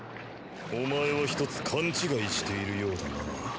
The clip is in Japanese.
お前は１つ勘違いしているようだな。